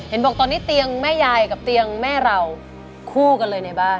เห็นบอกตอนนี้เตียงแม่ยายกับเตียงแม่เราคู่กันเลยในบ้าน